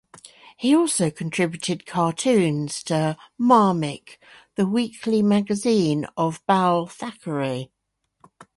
He also contributed cartoons to "Marmik", the weekly magazine of Bal Thackeray.